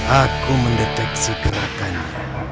aku mendeteksi kerakannya